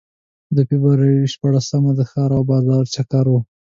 د فبروري په شپاړسمه د ښار او بازار چکر و.